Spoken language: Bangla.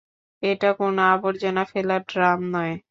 এটা কোনো আবর্জনা ফেলার ড্রাম নয়!